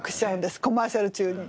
コマーシャル中に。